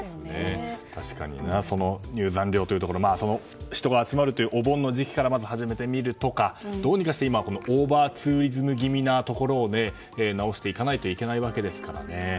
確かに、入山料というところは人が集まるというお盆の時期から始めてみるとかどうにかしてオーバーツーリズム気味なところを直していかないといけないわけですからね。